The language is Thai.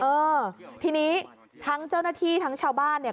เออทีนี้ทั้งเจ้าหน้าที่ทั้งชาวบ้านเนี่ย